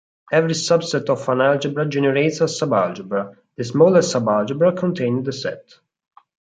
Every subset of an algebra "generates" a subalgebra: the smallest subalgebra containing the set.